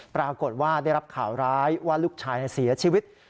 ปรากฏว่าได้รับข่าวร้ายว่าลูกชายเสียชีวิต